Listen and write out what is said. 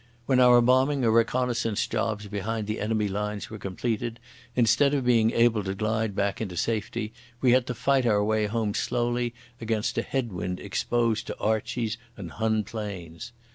When our bombing or reconnaissance jobs behind the enemy lines were completed, instead of being able to glide back into safety, we had to fight our way home slowly against a head wind exposed to Archies and Hun planes.